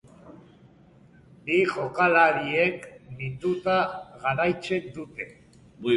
Bi jokalariek minduta jarraitzen dute.